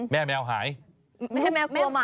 แม่แมวหายไม่ให้แมวกลัวหมา